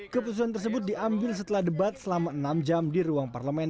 keputusan tersebut diambil setelah debat selama enam jam di ruang parlemen